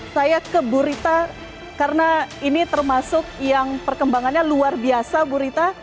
saya ke burita karena ini termasuk yang perkembangannya luar biasa burita